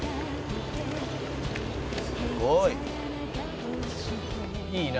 「すごい」「いいな」